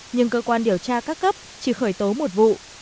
nhưng cơ quan điều tra các cấp chỉ khởi tố một vụ